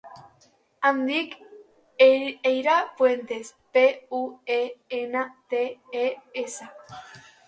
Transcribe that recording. Em dic Eira Puentes: pe, u, e, ena, te, e, essa.